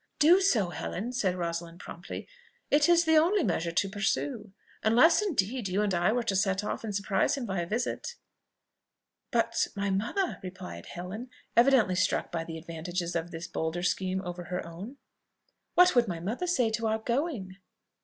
"Do so, Helen," said Rosalind promptly: "it is the only measure to pursue unless indeed you and I were to set off and surprise him by a visit." "But my mother?..." replied Helen, evidently struck by the advantages of this bolder scheme over her own, "what would my mother say to our going?"